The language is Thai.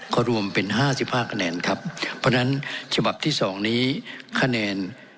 ก็รวมเป็นห้าสิบห้าคะแนนครับเพราะฉะนั้นฉบับที่สองนี้คะแนน